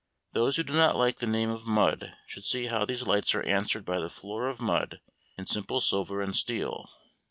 Those who do not like the name of mud should see how these lights are answered by the floor of mud in simple silver and steel.